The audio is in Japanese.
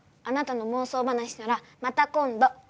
あなたのもう想話ならまた今度。